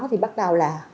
thì bắt đầu là